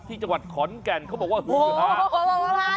ที่จังหวัดขอนแก่นเขาบอกว่า๖๕